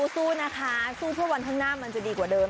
สู้นะคะสู้เพื่อวันข้างหน้ามันจะดีกว่าเดิม